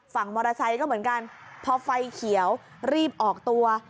ฝั่งมอเตอร์ไซค์ก็เหมือนกันพอไฟเขียวรีบออกตัว